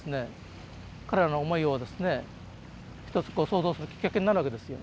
彼らの思いをですね一つ想像するきっかけになるわけですよ。